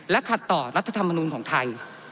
ขัดต่อรัฐธรรมนุนของไทย